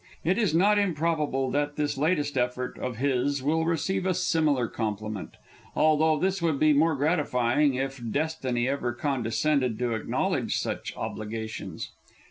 It is not improbable that this latest effort of his will receive a similar compliment, although this would be more gratifying if Destiny ever condescended to acknowledge such obligations.